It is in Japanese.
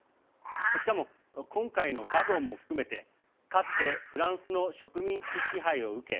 しかも、今回のガボンも含めてかつてフランスの植民地支配を受け